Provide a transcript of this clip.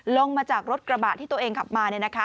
ลงมาจากรถกระบะที่ตัวเองขับมา